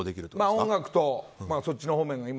音楽とそっち方面の。